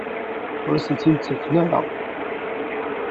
Ur awen-ten-id-ttaken ara?